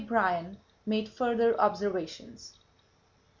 Bryan made further observations.